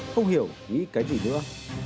không hiểu nghĩ cái gì nữa